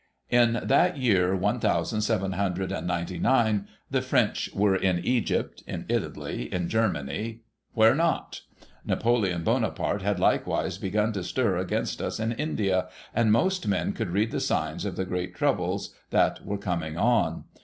In that year, one thousand seven hundred and ninety nine, the French were in Egypt, in Italy, in Germany, where not ? Napoleon Bonaparte had likewise begun to stir against us in India, and most men could read the signs of the great troubles that were coming on.